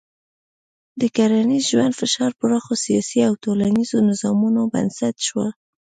د کرنیز ژوند فشار پراخو سیاسي او ټولنیزو نظامونو بنسټ شو.